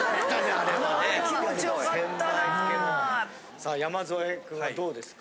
さあ山添君はどうですか？